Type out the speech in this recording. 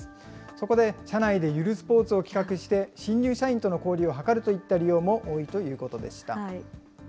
そこで社内でゆるスポーツを企画して、新入社員との交流を図るといった利用も多いということでした。